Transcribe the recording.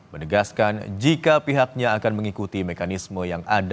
menegaskan jika pihaknya akan mengikuti mekanisme yang ada